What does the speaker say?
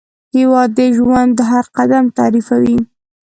هېواد د ژوند هر قدم تعریفوي.